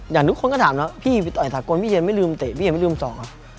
อย่างทุกคนก็ถามแล้วพี่ต่อยสถานกรณ์พี่เย็นไม่ลืมเตะพี่เย็นไม่ลืมส่อง